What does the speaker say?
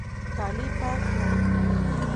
کالي پاک کړئ